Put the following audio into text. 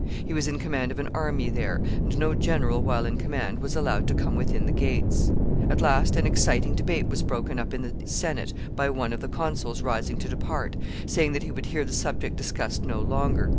He was in command of an army there, and no general, while in command, was allowed to come within the gates. At last an exciting debate was broken up in the Senate by one of the consuls rising to depart, saying that he would hear the subject discussed no longer.